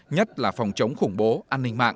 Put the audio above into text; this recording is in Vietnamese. nhất là phòng chống khủng bố an ninh mạng